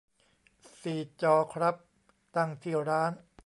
สี่จอครับ ตั้งที่ร้าน